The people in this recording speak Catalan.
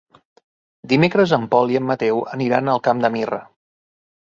Dimecres en Pol i en Mateu aniran al Camp de Mirra.